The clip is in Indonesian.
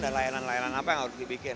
dan layanan layanan apa yang harus dibikin